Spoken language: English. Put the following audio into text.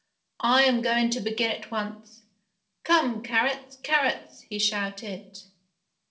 I am going to begin at once. Come carrots, carrots, carrots!" he shouted.